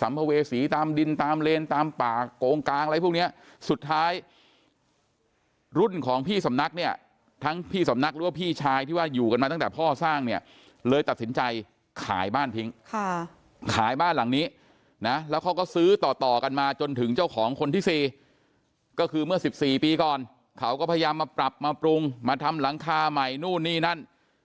สัมภเวษีตามดินตามเลนตามป่าโกงกางอะไรพวกเนี้ยสุดท้ายรุ่นของพี่สำนักเนี่ยทั้งพี่สำนักหรือว่าพี่ชายที่ว่าอยู่กันมาตั้งแต่พ่อสร้างเนี่ยเลยตัดสินใจขายบ้านทิ้งค่ะขายบ้านหลังนี้นะแล้วเขาก็ซื้อต่อต่อกันมาจนถึงเจ้าของคนที่สี่ก็คือเมื่อ๑๔ปีก่อนเขาก็พยายามมาปรับมาปรุงมาทำหลังคาใหม่นู่นนี่นั่น